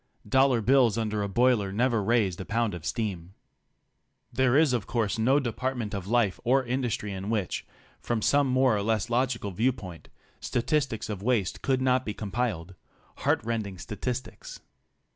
Dollar bills under a boiler never raised a pound of steam. There is of course no department of life or industry in which, from some more or less logical viewpoint, statistics of waste could not be compiled — heart rending statistics.